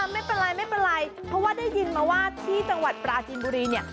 ไม่เป็นไรไม่เป็นไรเพราะว่าได้ยินมาว่าที่จังหวัดปราจินบุรีเนี่ย